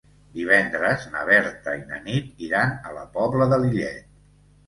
Divendres na Berta i na Nit iran a la Pobla de Lillet.